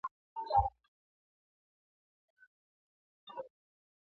hivyo nilijua kuwatesa kimatendo mdomo nikiushona